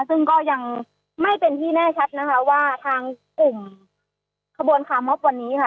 ซึ่งก็ยังไม่เป็นที่แน่ชัดนะคะว่าทางกลุ่มขบวนคาร์มอฟวันนี้ค่ะ